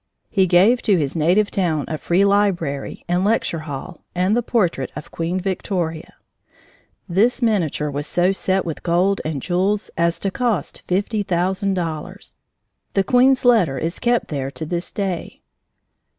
He gave to his native town a free library and lecture hall and the portrait of Queen Victoria. This miniature was so set with gold and jewels as to cost fifty thousand dollars! The queen's letter is kept there to this day.